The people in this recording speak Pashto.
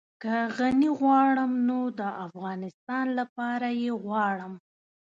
که غني غواړم نو د افغانستان لپاره يې غواړم.